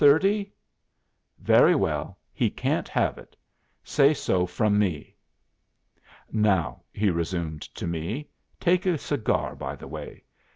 Very well, he can't have it. Say so from me. Now,' he resumed to me, 'take a cigar by the way.